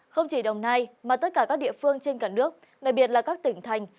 không chỉ đồng nai mà tất cả các địa phương trên cả nước đặc biệt là các tỉnh thành